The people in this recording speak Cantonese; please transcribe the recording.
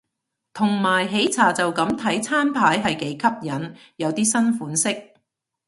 同埋喜茶就咁睇餐牌係幾吸引，有啲新款式